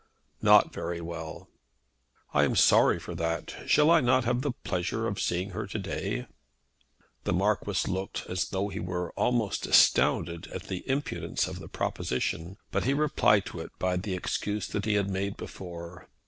"Not very well." "I am sorry for that. Shall I not have the pleasure of seeing her to day?" The Marquis looked as though he were almost astounded at the impudence of the proposition; but he replied to it by the excuse that he had made before.